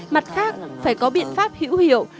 mặt khác phải có biện pháp hiệu quả